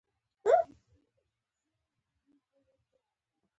دوی د بازار د اړتیا په توګه پرې کار واخیست.